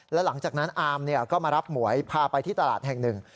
แล้วหลังจากนั้นอามก็มารับหมวยพาไปที่ตลาดแห่งหนึ่ง